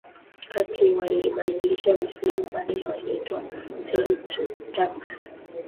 Kati walibadilisha Uislamu Baadaye waliitwa Seljuq Turks